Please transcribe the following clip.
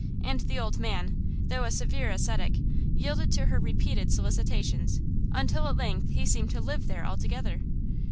And the old man, though a severe ascetic, yielded to her repeated solicitations, until at length he seemed to live there altogether.